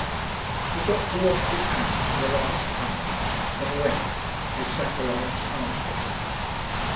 The doctor washed his hands for the last time and went, his satellites after him.